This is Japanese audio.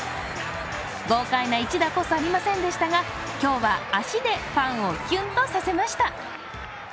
豪快な一打こそありませんでしたが今日は足でファンをキュンとさせました。